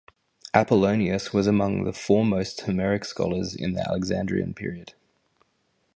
Apollonius was among the foremost Homeric scholars in the Alexandrian period.